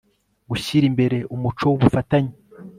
gushyira imbere umuco w'ubufatanye